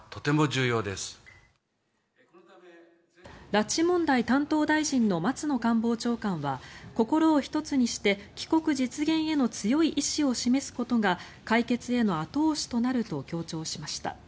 拉致問題担当大臣の松野官房長官は心を一つにして帰国実現への強い意思を示すことが解決への後押しとなると強調しました。